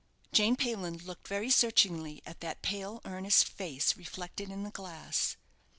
Jane Payland looked very searchingly at the pale, earnest face reflected in the glass.